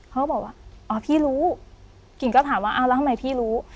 เขาบอกว่าอ๋อพี่รู้กิ่งก็ถามว่าเอาแล้วทำไมพี่รู้